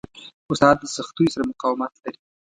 استاد د سختیو سره مقاومت لري.